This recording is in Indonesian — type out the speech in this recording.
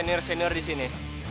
dan dia sama senior senior disini